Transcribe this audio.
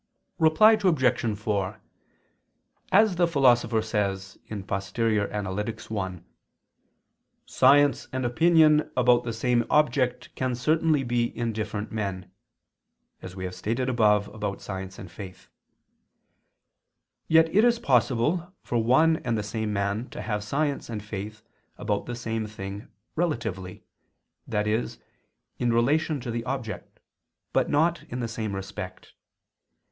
Reply Obj. 4: As the Philosopher says (Poster. i), "science and opinion about the same object can certainly be in different men," as we have stated above about science and faith; yet it is possible for one and the same man to have science and faith about the same thing relatively, i.e. in relation to the object, but not in the same respect.